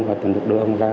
và từ lúc đưa ông ra